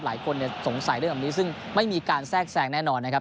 หลายคนสงสัยเรื่องแบบนี้ซึ่งไม่มีการแทรกแซงแน่นอนนะครับ